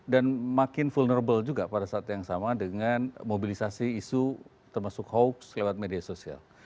dan makin vulnerable juga pada saat yang sama dengan mobilisasi isu termasuk hoax lewat media sosial